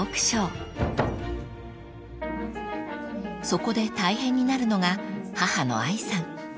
［そこで大変になるのが母の愛さん］